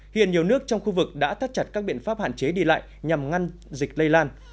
hiện nhiều nước trong khu vực đã thắt chặt các biện pháp hạn chế đi lại nhằm ngăn dịch lây lan